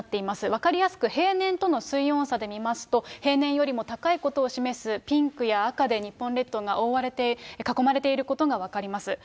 分かりやすく平年との水温差で見ますと、平年よりも高いことを示すピンクや赤で日本列島が覆われて、囲まれていることが分かります。